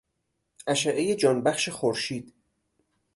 اشعهی جانبخش خورشید